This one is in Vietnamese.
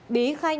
bí khai nhận